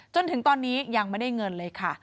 จนถึงตอนนี้ยังไม่ได้เงินเลยค่ะ